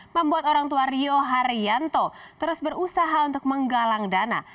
membuat orang tua rio haryanto terus berusaha untuk menggalang dana